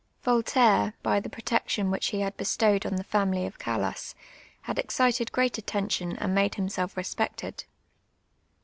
A'oltaiiT, by IIk* protection >vhicli lie had bestowed on the family of C'alas, had excited }2;rcat attention and made himself respected.